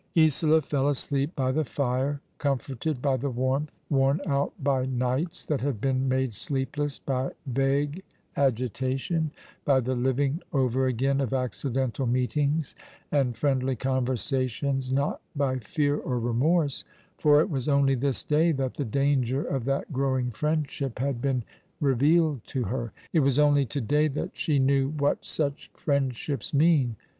Isola fell asleep by the fire, comforted by the warmth, worn out by nights that had been made sleepless by vague agitation — by the living over again of accidental meetings, and friendly conversations— not by fear or remorse — for it was only this day that the danger of that growing friendship had been revealed to her. It was only to day that she knew w^hat such friendships mean.